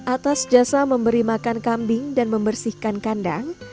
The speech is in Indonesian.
atas jasa memberi makan kambing dan membersihkan kandang